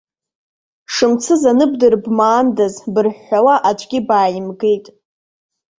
Шымцыз аныбдыр бмаандаз, бырҳәҳәауа аӡәгьы бааимгеит.